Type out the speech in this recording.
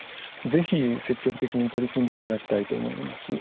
是非積極的に取り組んでいただきたいと思います。